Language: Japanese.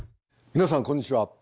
皆さんこんにちは。